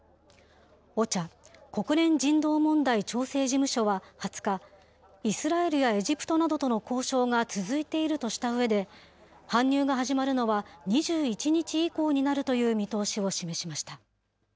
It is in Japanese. ＯＣＨＡ・国連人道問題調整事務所は、２０日、イスラエルやエジプトなどとの交渉が続いているとしたうえで、搬入が始まるのは２１日以降になるという見通しを示しました。